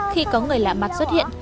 khi có người lạ mặt xuất hiện